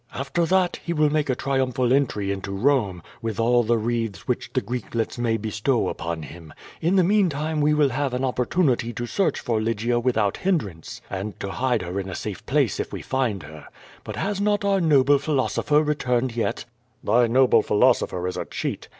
After that, he will make a triumphal entry into Rome, with all the wreaths which the Greeklets may bestow upon him. In the meanwhile we will have an opportunity to search for Lygia without hindrance, and to hide her in a safe place if we find her. But has not our noble philosopher returned yet?" '^Thy noble philosopher is a cheat.